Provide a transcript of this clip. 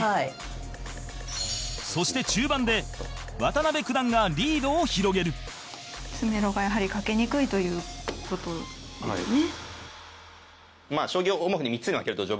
そして、中盤で渡辺九段がリードを広げる司会：詰めろが、やはりかけにくいという事ですね。